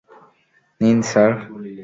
নিন, স্যার।